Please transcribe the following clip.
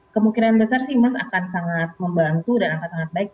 kemungkinan besar sih emas akan sangat membantu dan angka sangat baik